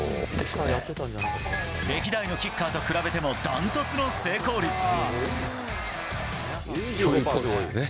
歴代のキッカーと比べても断恐竜ポーズね。